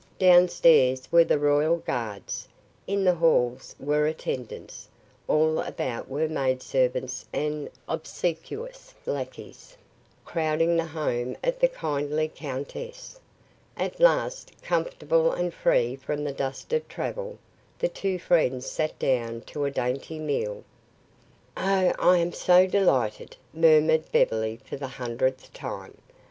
Downstairs were the royal guards; in the halls were attendants; all about were maidservants and obsequious lackeys, crowding the home of the kindly countess. At last, comfortable and free from the dust of travel, the two friends sat down to a dainty meal. "Oh, I am so delighted," murmured Beverly for the hundredth time.